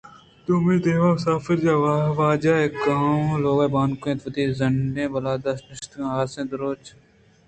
دومی دیمءَ مسافرجاہ ءِ واجہ ءِ لوگ بانک اَت کہ وتی زنڈیں بالاِدا نشتگ ءُحاصیں دوچ گر ی ءَ دلگوش اَت